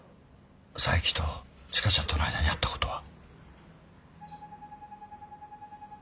佐伯と千佳ちゃんとの間にあったことは？